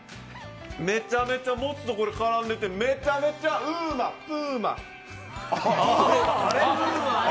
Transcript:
めちゃめちゃもつと絡んでてめちゃめちゃうーまうーま。